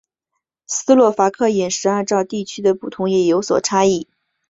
斯洛伐克饮食按照地区的不同也有所差异。